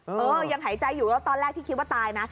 เออยังหายใจอยู่แล้วตอนแรกที่คิดว่าตายนะ